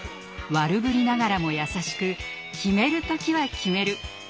ワルぶりながらも優しく決める時は決める。